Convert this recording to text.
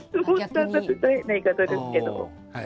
変な言い方ですけど。